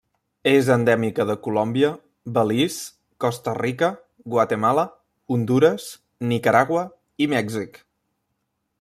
És endèmica de Colòmbia, Belize, Costa Rica, Guatemala, Hondures, Nicaragua, i Mèxic.